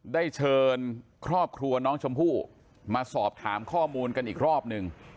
ได้เชิญครอบครัวน้องชมพู่มาสอบถามข้อมูลกันอีกรอบหนึ่ง